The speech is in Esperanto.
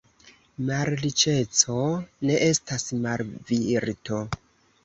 Malriĉeco ne estas malvirto.